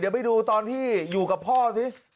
เดี๋ยวไปดูตอนที่อยู่กับพ่อสิ